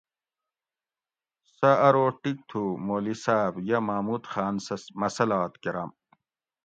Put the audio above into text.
"سہ ارو ""ٹیک تھو مولی صاۤب یہ محمود خان سہ مسلات کۤرۤم"